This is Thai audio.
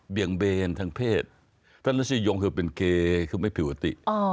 เปลี่ยงเบนทางเพศถ้ารสินิยมคือเป็นเกย์คือไม่ผิวอุติ